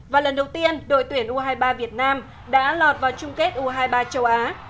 và lần đầu tiên đội tuyển u hai mươi ba việt nam đã lọt vào chung kết u hai mươi ba châu á